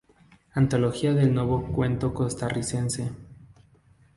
Antología del nuevo cuento costarricense".